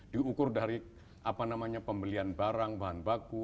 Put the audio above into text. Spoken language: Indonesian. diukur dari pembelian barang bahan baku